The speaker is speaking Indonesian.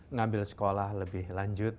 ngambil sekolah lebih lanjut